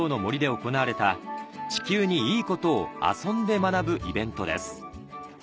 行われた地球にいいことを遊んで学ぶイベントです